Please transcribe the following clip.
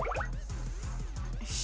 よし。